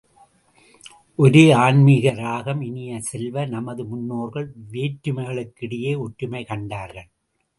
ஒரே ஆன்மீக ராகம் இனிய செல்வ, நமது முன்னோர்கள் வேற்றுமைகளுக்கிடையே ஒற்றுமை கண்டார்கள்.